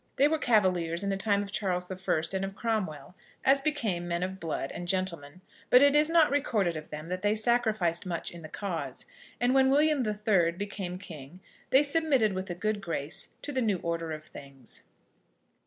They were cavaliers in the time of Charles I. and of Cromwell, as became men of blood and gentlemen, but it is not recorded of them that they sacrificed much in the cause; and when William III. became king they submitted with a good grace to the new order of things.